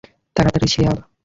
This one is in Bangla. তাড়াতাড়ি, শেয়াল!